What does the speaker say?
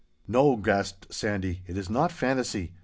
'No,' gasped Sandy, 'it is not fantasy.